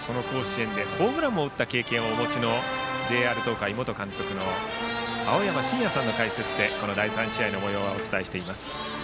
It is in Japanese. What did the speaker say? その甲子園でホームランを打った経験もお持ちのＪＲ東海元監督の青山眞也さんの解説でこの第３試合のもようをお伝えしています。